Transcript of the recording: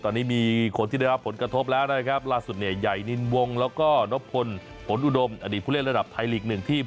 ตอนนี้มีคนที่ได้รับผลกระทบแล้วนะครับล่าสุดยัยนินวงแล้วก็นพลพนูดมอดีตผู้เล่นระดับไทยลีก๑ที่พึ่ง